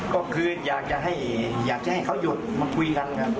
ก็คืออยากจะให้เขาหยุดมาคุยกันครับ